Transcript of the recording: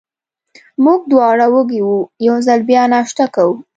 موږ دواړه وږي وو، یو ځل بیا ناشته کوو.